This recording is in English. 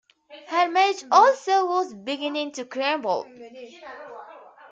Her marriage also was beginning to crumble.